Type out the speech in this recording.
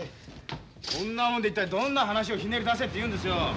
こんなもので一体どんな話をひねり出せっていうんですよ。